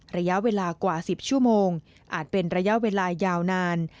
ระยะเวลากว่า๑๐ชั่วโมงอาจเป็นระยะเวลายาวนาน